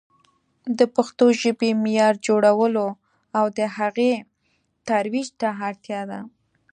د پښتو ژبې معیار جوړونه او د هغې ترویج ته اړتیا ده.